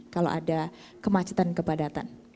kalau ada kemacetan kepadatan